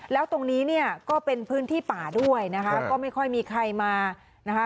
แล้วตรงนี้เนี่ยก็เป็นพื้นที่ป่าด้วยนะคะก็ไม่ค่อยมีใครมานะคะ